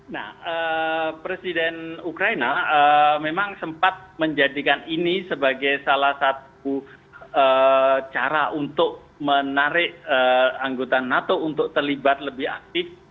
nah presiden ukraina memang sempat menjadikan ini sebagai salah satu cara untuk menarik anggota nato untuk terlibat lebih aktif